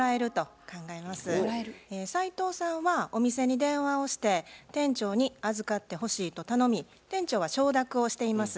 斉藤さんはお店に電話をして店長に「預かってほしい」と頼み店長は承諾をしています。